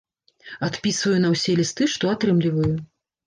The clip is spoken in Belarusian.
Адпісваю на ўсе лісты, што атрымліваю.